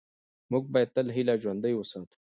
موږ باید تل هیله ژوندۍ وساتو